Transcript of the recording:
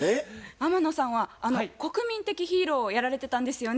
天野さんは国民的ヒーローをやられてたんですよね？